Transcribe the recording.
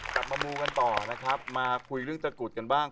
กลับมามูกันต่อนะครับมาคุยเรื่องตะกรุดกันบ้าง